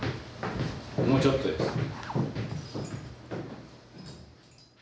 もうちょっとです。